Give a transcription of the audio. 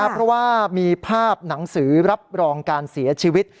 เพราะว่ามีภาพหนังสือรับรองการเสียชีวิต